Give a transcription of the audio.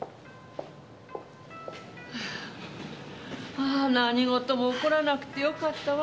ああ何事も起こらなくてよかったわ。